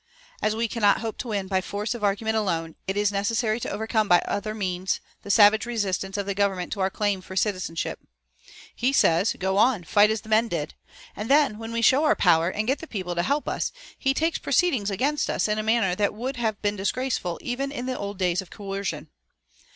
As we cannot hope to win by force of argument alone, it is necessary to overcome by other means the savage resistance of the Government to our claim for citizenship. He says, 'Go on, fight as the men did.' And then, when we show our power and get the people to help us, he takes proceedings against us in a manner that would have been disgraceful even in the old days of coercion.